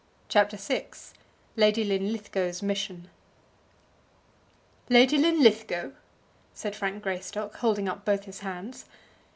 CHAPTER VI Lady Linlithgow's Mission "Lady Linlithgow!" said Frank Greystock, holding up both his hands.